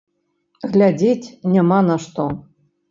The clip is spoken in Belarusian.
Глядзець няма на што.